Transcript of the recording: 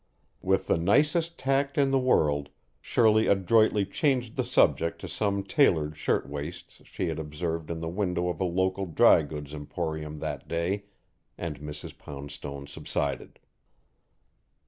With the nicest tact in the world, Shirley adroitly changed the subject to some tailored shirt waists she had observed in the window of a local dry goods emporium that day, and Mrs. Poundstone subsided.